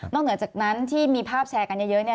เหนือจากนั้นที่มีภาพแชร์กันเยอะ